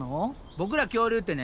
ボクら恐竜ってね